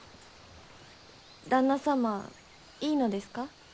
旦那様いいのですか？